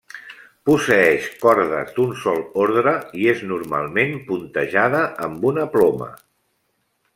Posseeix cordes d'un sol ordre i és normalment puntejada amb una ploma.